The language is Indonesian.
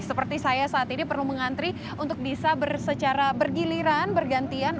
seperti saya saat ini perlu mengantri untuk bisa secara bergiliran bergantian